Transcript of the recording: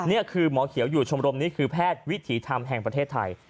นี่คือหมอเขียวอยู่ชมรมนี้คือแพทย์วิถีธรรมแห่งประเทศไทย